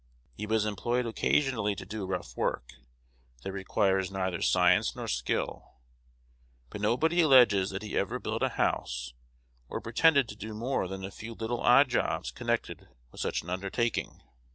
He was employed occasionally to do rough work, that requires neither science nor skill; but nobody alleges that he ever built a house, or pretended to do more than a few little odd jobs connected with such an undertaking.